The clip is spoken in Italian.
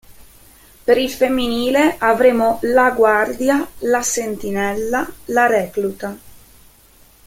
Per il femminile, avremo "la guardia, la sentinella, la recluta".